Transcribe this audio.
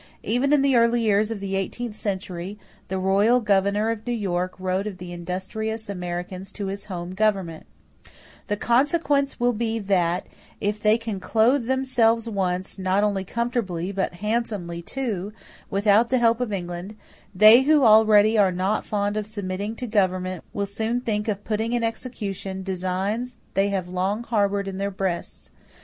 Even in the early years of the eighteenth century the royal governor of New York wrote of the industrious Americans to his home government: "The consequence will be that if they can clothe themselves once, not only comfortably, but handsomely too, without the help of England, they who already are not very fond of submitting to government will soon think of putting in execution designs they have long harboured in their breasts.